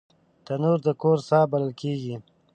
تنور د کور ساه بلل کېږي